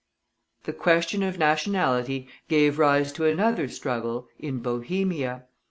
The question of nationality gave rise to another struggle in Bohemia.